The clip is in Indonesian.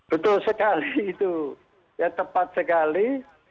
betul sekali itu ya tepat sekali